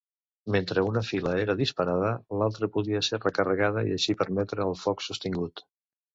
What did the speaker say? Mentre una fila era disparada, l'altra podria ser recarregada, i així permetre el foc sostingut.